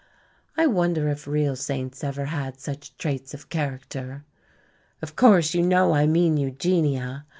I wonder if real saints ever had such traits of character? Of course, you know I mean Eugenia!